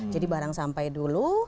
jadi barang sampai dulu